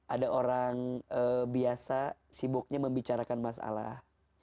ada orang biasa sibuknya membicarakan masalah